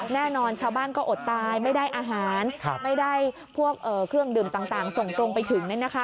แน่นอนชาวบ้านก็อดตายไม่ได้อาหารไม่ได้พวกเครื่องดื่มต่างส่งตรงไปถึง